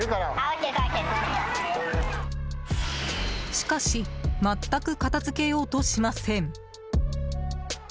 しかし全く片付けようとしません。